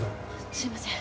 すいません。